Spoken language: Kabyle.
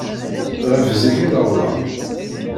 Ɣef zik i d-wwḍeɣ?